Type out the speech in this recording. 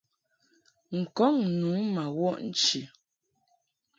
N-kɔŋ nu ma wɔʼ nchi.